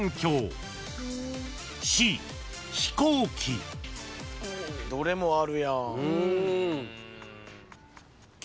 ［では］どれもあるやん。